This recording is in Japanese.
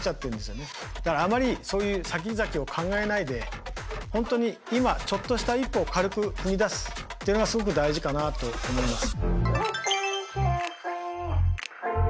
だからあまりそういうさきざきを考えないで本当に今ちょっとした一歩を軽く踏み出すっていうのがすごく大事かなと思います。